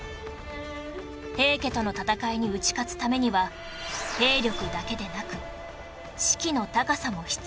平家との戦いに打ち勝つためには兵力だけでなく士気の高さも必要